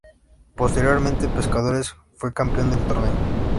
Posteriormente Pescadores fue campeón del torneo.